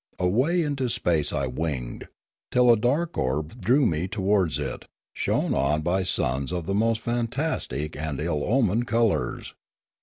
Away into space I winged, till a dark orb drew me towards it, shone on by suns of the most fantastic and ill omened colours.